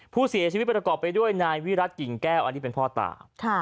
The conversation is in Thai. ผู้เสียชีวิตประกอบไปด้วยนายวิรัติกิ่งแก้วอันนี้เป็นพ่อตา